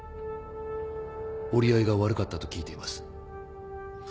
折り合いが悪かったと聞いています。